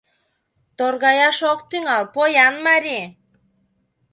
Торгаяш ок тӱҥал, поян марий.